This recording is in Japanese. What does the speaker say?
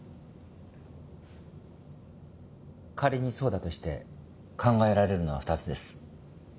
仮にそうだとして考えられるのは２つです。